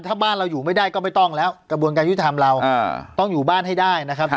ถ้าบ้านเราอยู่ไม่ได้ก็ไม่ต้องแล้วกระบวนการยุติธรรมเราต้องอยู่บ้านให้ได้นะครับ